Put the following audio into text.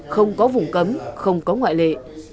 không có vùng cấm không có ngoại lệ